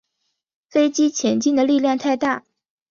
飞机前进的力量太大